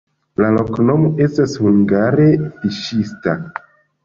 La loknomo estas hungare fiŝista.